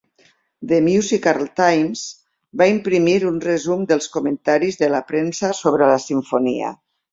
"The Musical Times" va imprimir un resum dels comentaris de la premsa sobre la simfonia.